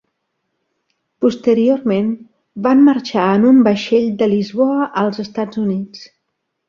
Posteriorment, van marxar en un vaixell de Lisboa als Estats Units.